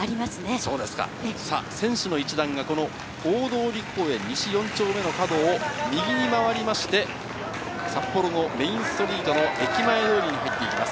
そうですか、さあ、選手の一団が、この大通公園西４丁目の角を右に回りまして、札幌のメインストリートの駅前通に入っていきます。